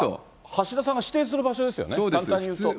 橋田さんが指定する場所ですよね、簡単に言うと。